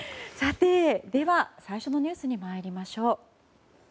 では最初のニュースに参りましょう。